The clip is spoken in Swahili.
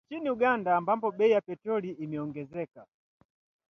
Nchini Uganda, ambapo bei ya petroli imeongezeka